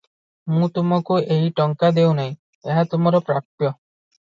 ମୁଁ ତୁମଙ୍କୁ ଏହି ଟଙ୍କା ଦେଉ ନାହିଁ- ଏହା ତୁମର ପ୍ରାପ୍ୟ!